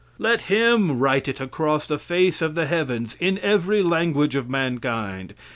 Let Him write it across the face of the heavens, in every language of mankind.